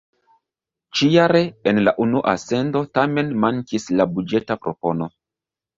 Ĉi-jare en la unua sendo tamen mankis la buĝeta propono.